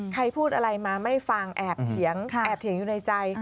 ใครพูดอะไรมาไม่ฟังแอบเถียงแอบเถียงอยู่ในใจ